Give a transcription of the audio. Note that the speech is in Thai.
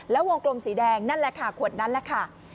แล้ววงกลมสีแดงนั่นแหละค่ะขวดนั้นแหละค่ะ